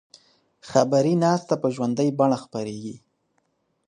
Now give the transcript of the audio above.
خبري ناسته په ژوندۍ بڼه خپریږي.